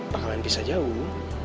bakalan pisah jauh